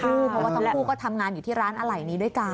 เพราะว่าทั้งคู่ก็ทำงานอยู่ที่ร้านอะไหล่นี้ด้วยกัน